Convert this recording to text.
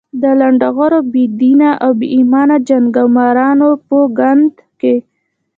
د لنډه غرو، بې دینه او بې ایمانه جنګمارانو په ګند کې.